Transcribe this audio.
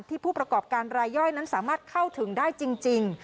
ผู้ประกอบการรายย่อยนั้นสามารถเข้าถึงได้จริง